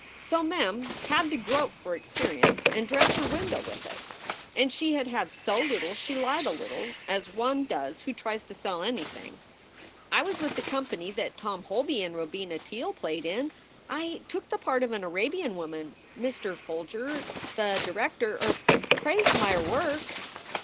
So Mem had to grope for experience and dress her window with it. And she had had so little she lied a little, as one does who tries to sell anything: "I was with the company that Tom Holby and Robina Teele played in. I took the part of an Arabian woman. Mr. Folger, the director er praised my er work."